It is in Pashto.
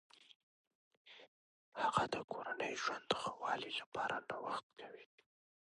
هغه د کورني ژوند د ښه والي لپاره نوښت کوي.